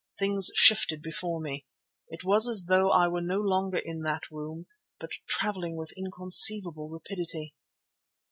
Things shifted before me. It was as though I were no longer in that room but travelling with inconceivable rapidity.